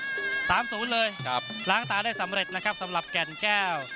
สามศูนย์เลยครับล้างตาได้สำเร็จนะครับสำหรับแก่นแก้ว